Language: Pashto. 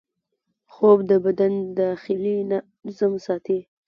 خوب د بدن داخلي نظم ساتي